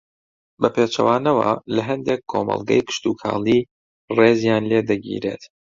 بە پێچەوانە لە ھەندێک کۆمەڵگەی کشتوکاڵی ڕێزیان لێدەگیرێت